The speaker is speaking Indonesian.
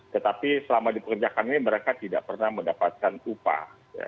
tetapi selama dipekerjakan ini mereka tidak pernah mendapatkan upah